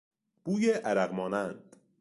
بوی عرق مانند